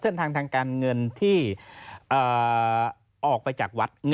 เส้นทางทางการเงินที่ออกไปจากวัด